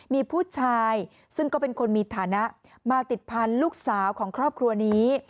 มีผู้ชายซึ่งก็เป็นคนมีฐานะมาติดพันธุ์ลูกสาวของครอบครัวนี้